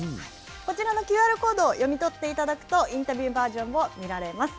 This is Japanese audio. こちらのＱＲコードを読み取っていただくと、インタビューバージョンも見られます。